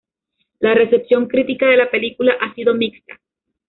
La recepción crítica de la película ha sido mixta.